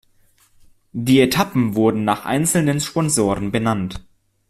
Die Etappen wurden nach einzelnen Sponsoren benannt.